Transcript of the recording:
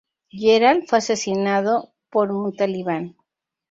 Gerald fue asesinado por un talibán.